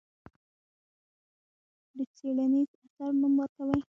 د څېړنیز اثر نوم ورکوي.